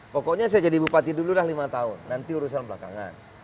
pokoknya saya jadi bupati dulu dah lima tahun nanti urusan belakangan